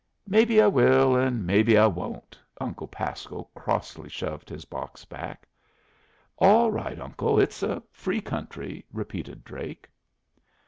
"Maybe I will and maybe I won't." Uncle Pasco crossly shoved his box back. "All right, Uncle. It's a free country," repeated Drake.